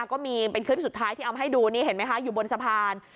ก็มีเป็นคลิปสุดท้ายที่เอามาให้ดูนี่เห็นไหมคะอยู่บนสะพาน